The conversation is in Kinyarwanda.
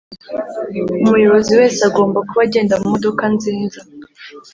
Umuyobozi wese agomba kuba agenda mumodoka nzinza